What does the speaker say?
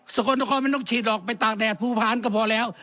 สกลนครบ้านไม่ต้องฉีดออกไปตากแดดภูภาคันก็พอแล้ว